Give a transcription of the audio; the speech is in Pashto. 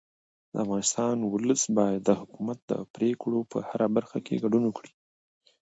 د افغانستان ولس باید د حکومت د پرېکړو په هره برخه کې ګډون ولري